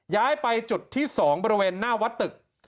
ย้ายไปจุดที่๒บริเวณหน้าวัดตึก